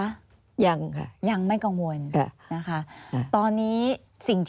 อันดับ๖๓๕จัดใช้วิจิตร